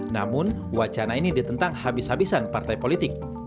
namun wacana ini ditentang habis habisan partai politik